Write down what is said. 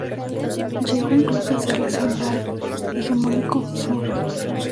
Llegó incluso a hacerle sombra al hegemónico "Sur".